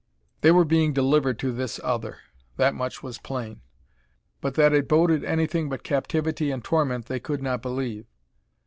They were being delivered to this other that much was plain but that it boded anything but captivity and torment they could not believe.